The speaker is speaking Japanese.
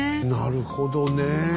なるほどね。